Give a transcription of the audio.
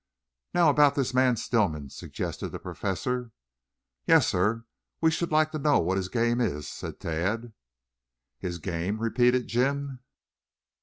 "Now about this man Stillman?" suggested the Professor. "Yes, sir, we should like to know what his game is," said Tad. "His game?" repeated Jim.